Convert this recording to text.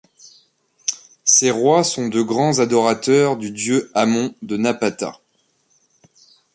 Ces rois sont de grands adorateurs du dieu Amon de Napata.